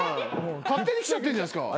勝手に来ちゃってんじゃないですか？